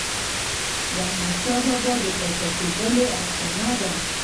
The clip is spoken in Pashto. د احمدشاه بابا د پاچا کېدلو افسانه ده.